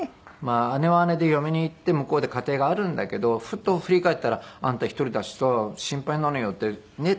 姉は姉で嫁に行って向こうで家庭があるんだけどふと振り返ったら「あんた１人だしさ心配なのよ」ってねえ